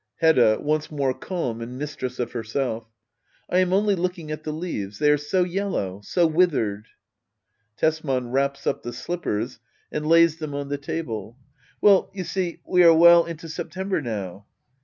Hedda. [Once more calm and mistress of Iierself] I am only looking at the leaves. They are so yellow — so withered. Tesman. J Wraps up the slippers and lays them on the le.] Well you see, we are well into September now.